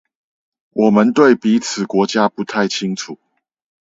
我們對彼此國家不太清楚